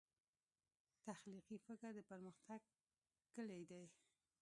تخلیقي فکر د پرمختګ کلي دی.